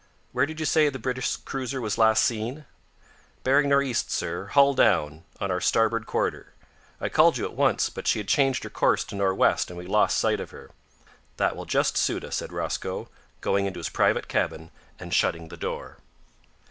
Where did you say the British cruiser was last seen?" "Bearing nor' east, sir, hull down on our starboard quarter. I called you at once, but she had changed her course to nor' west and we lost sight of her." "That will just suit us," said Rosco, going into his private cabin and shutting the door.